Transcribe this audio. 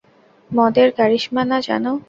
মদের কারিশমা না, জান।